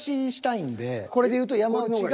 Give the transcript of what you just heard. これでいうと山内が。